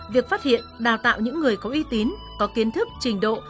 việc phát hiện đào tạo những người có uy tín có kiến thức trình độ